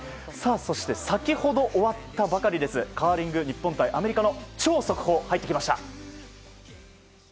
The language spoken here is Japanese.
そして、先ほど終わったばかりカーリング日本対アメリカの超速報が入ってきました。